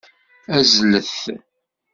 Azzlet!